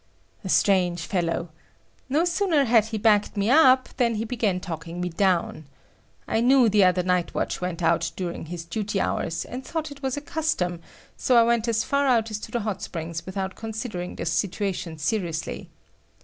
A strange fellow! No sooner had he backed me up than he began talking me down. I knew the other night watch went out during his duty hours, and thought it was a custom, so I went as far out as to the hot springs without considering the situation seriously.